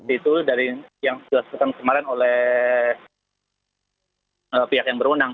itu dari yang kemarin oleh pihak yang berwenang